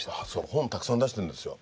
本たくさん出してるんですよ。